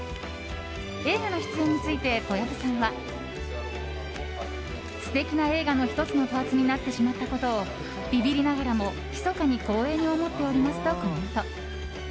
映画の出演について、小籔さんは素敵な映画の１つのパーツになってしまったことをビビりながらも、ひそかに光栄に思っておりますとコメント。